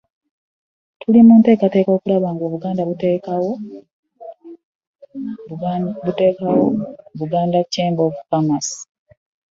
Tuli mu nteekateeka okulaba ng'Obwakabaka buteekawo ‘Buganda Chamber of Commerce'